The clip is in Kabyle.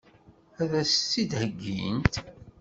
Ad as-t-id-heggint?